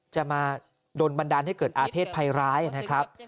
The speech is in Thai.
จะมาโดนบันดาลให้เกิดอาเภษภัยร้ายนะครับ